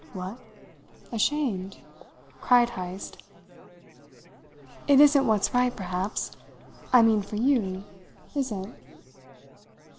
"What? Ashamed?" cried Heyst. "It isn't what's right, perhaps I mean for you is it?"